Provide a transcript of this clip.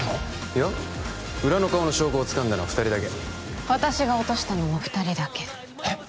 いや裏の顔の証拠をつかんだのは二人だけ私が落としたのも二人だけえっ？